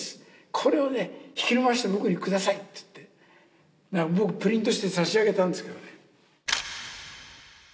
これを引き延ばして僕にください」つって僕プリントして差し上げたんですけどね。